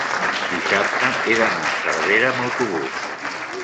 dissabte he d'anar a Cervera amb autobús.